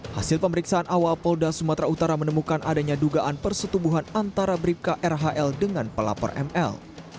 hasil pemeriksaan awal polda sumatera utara menemukan adanya dugaan persetubuhan antara bribka rhl dengan pelapor ml